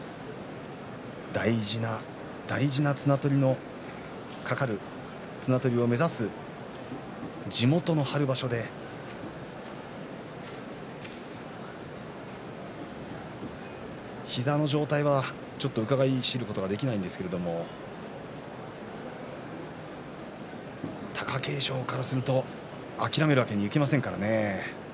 大事な綱取りの懸かる綱取りを目指す地元の春場所で膝の状態がちょっとうかがい知ることができませんが貴景勝からすると諦めるわけにはいきませんからね。